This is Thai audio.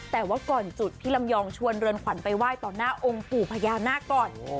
แต่ว่าก่อนจุดพี่ลำยองชวนเรือนขวัญไปไหว้ต่อหน้าองค์ปู่พญานาคก่อน